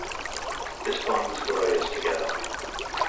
This binds the layers together.